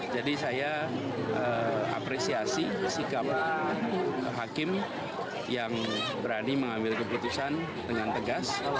jadi saya apresiasi sikap hakim yang berani mengambil keputusan dengan tegas